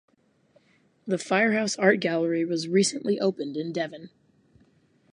The Firehouse Art Gallery was recently opened in Devon.